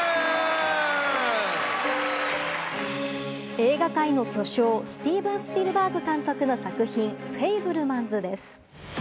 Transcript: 映画界の巨匠スティーブン・スピルバーグ監督の作品「フェイブルマンズ」です。